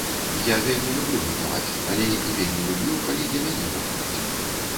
Я вельмі люблю гатаваць, але і вельмі люблю, калі для мяне гатуюць.